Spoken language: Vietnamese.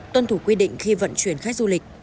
tuân thủ quy định khi vận chuyển khách du lịch